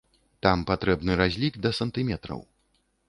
Там патрэбны разлік да сантыметраў.